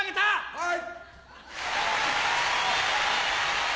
はい！